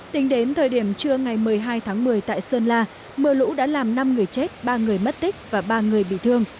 tính đến thời điểm trưa ngày một mươi hai tháng một mươi tại sơn la mưa lũ đã làm năm người chết ba người mất tích và ba người bị thương